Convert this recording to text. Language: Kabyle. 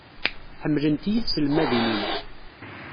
Ḥemmlent-iyi tselmadin-inu.